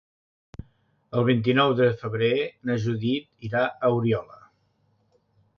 El vint-i-nou de febrer na Judit irà a Oriola.